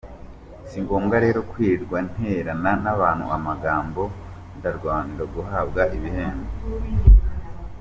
Si ngombwa rero kwirirwa nterana n’abantu amagambo ndwanira guhabwa ibihembo.